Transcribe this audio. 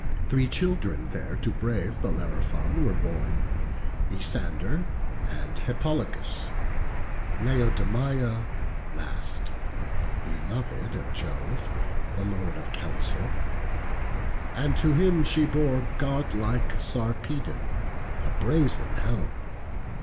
Three children there to brave Bellerophon Were born; Isander, and Hippolochus, Laodamia last, belov'd of Jove, The Lord of counsel; and to him she bore Godlike Sarpedon of the brazen helm.